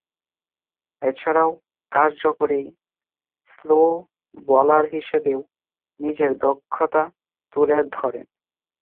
এছাড়াও, কার্যকরী slow bowler হিসেবেও নিজের দক্ষতা তুলে ধরেন।